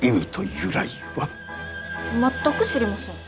全く知りません。